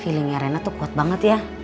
feelingnya arena tuh kuat banget ya